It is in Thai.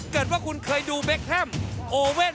เกิดว่าคุณเคยดูเบคแฮมโอเว่น